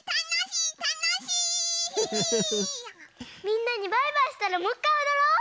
みんなにバイバイしたらもういっかいおどろう！